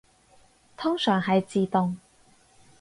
通常係自動